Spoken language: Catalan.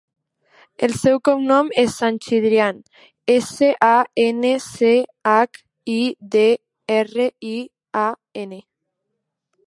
El seu cognom és Sanchidrian: essa, a, ena, ce, hac, i, de, erra, i, a, ena.